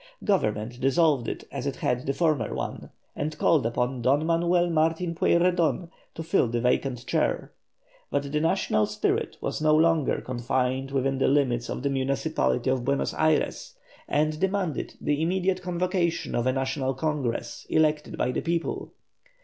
Government dissolved it as it had the former one, and called upon Don Juan Martin Pueyrredon to fill the vacant chair; but the national spirit was no longer confined within the limits of the municipality of Buenos Ayres, and demanded the immediate convocation of a National Congress, elected by the people.